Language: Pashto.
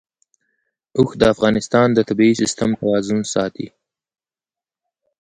اوښ د افغانستان د طبعي سیسټم توازن ساتي.